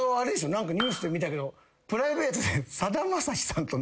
何かニュースで見たけどプライベートで。